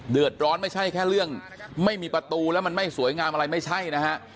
ไม่ใช่แค่เรื่องไม่มีประตูแล้วมันไม่สวยงามอะไรไม่ใช่นะฮะ